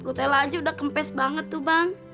rutella aja udah kempes banget tuh bang